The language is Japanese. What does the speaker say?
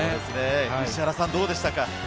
石原さん、どうでしたか？